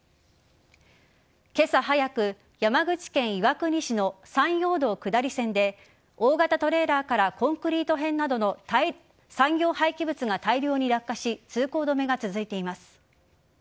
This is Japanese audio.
今朝早く山口県岩国市の山陽道下り線で大型トレーラーからコンクリート片などの産業廃棄物が大量に落下し通行止めが続いています。